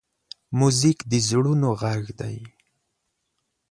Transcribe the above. موزیک د زړونو غږ دی.